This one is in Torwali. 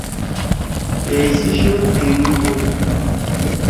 پأش سی شور تینگی کودُو۔